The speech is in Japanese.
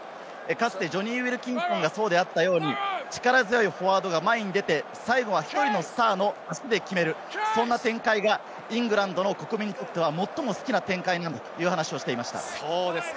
ジョニー・ウィルキンソンがそうであったように、力強いフォワードが前に出て、最後は１人のスターの足で決める、そんな展開がイングランドの国民にとっては最も好きな展開だという話をしていました。